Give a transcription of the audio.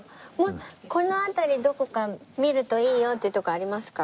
この辺りどこか見るといいよっていう所ありますか？